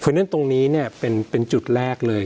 เพราะฉะนั้นตรงนี้เนี่ยเป็นจุดแรกเลย